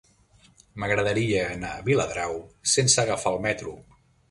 M'agradaria anar a Viladrau sense agafar el metro.